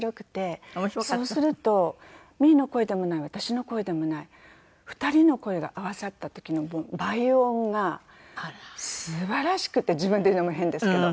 そうするとミーの声でもない私の声でもない２人の声が合わさった時の倍音がすばらしくて自分で言うのも変ですけど。